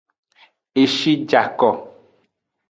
Eshi ja ko.